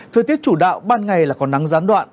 thời tiết chủ đạo ban ngày là còn nắng gián đoạn